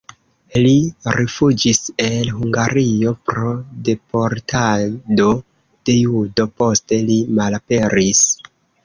Li rifuĝis el Hungario pro deportado de judoj, poste li malaperis.